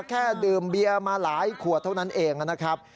แค่ดื่มเบียร์มาหลายขวดเท่านั้นเองนะครับ